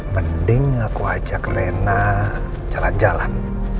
mending aku ajak rena jalan jalan